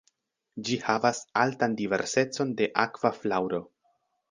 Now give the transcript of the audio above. Ĝi havas altan diversecon de akva flaŭro.